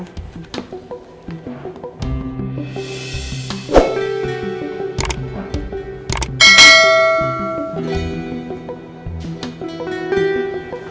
ya gue mau lihat